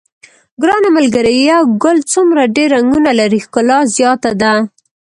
ګرانه ملګریه یو ګل څومره ډېر رنګونه لري ښکلا زیاته ده.